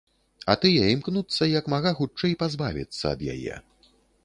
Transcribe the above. А тыя імкнуцца як мага хутчэй пазбавіцца ад яе.